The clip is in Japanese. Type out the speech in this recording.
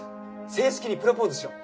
正式にプロポーズしろ。